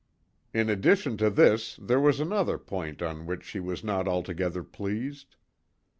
In addition to this there was another point on which she was not altogether pleased.